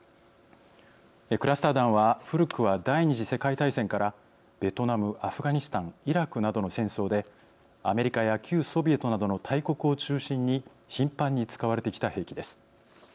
クラスター弾は古くは第２次世界大戦からベトナムアフガニスタンイラクなどの戦争でアメリカや旧ソビエトなどの大国を中心に頻繁に使われてきた兵器です。